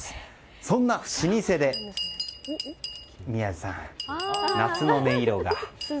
そんな老舗で宮司さん夏の音色が。